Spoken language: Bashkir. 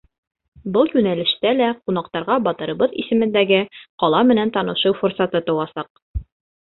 Был йүнәлештә лә ҡунаҡтарға батырыбыҙ исемендәге ҡала менән танышыу форсаты тыуасаҡ.